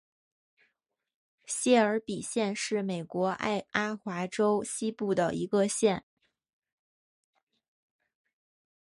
谢尔比县是美国爱阿华州西部的一个县。